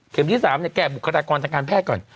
ที่๓แก่บุคลากรทางการแพทย์ก่อน